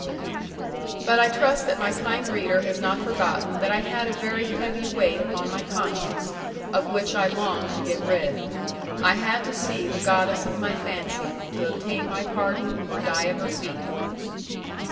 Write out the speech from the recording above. But I trust that my kind reader has not forgotten that I had a very heavy weight upon my conscience, of which I longed to get rid. I had to see the goddess of my fancy, to obtain my pardon, or die at her feet.